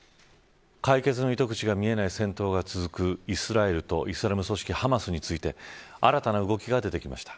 解決の糸口が見えない戦闘が続くイスラエルとイスラム組織ハマスについて新たな動きが出てきました。